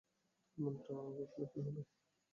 এমনটা আবার ঘটলে কী হবে?